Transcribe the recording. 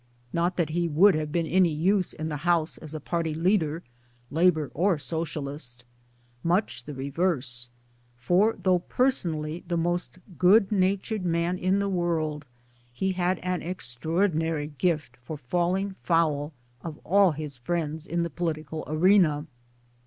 Not that he would have been any use in the House as a party leader '(Labour or Socialist). Much the reverse ,t; for though personally the most good natured man in the world he had an extraordinary gift for falling foul of all 1 his friends in the political arena.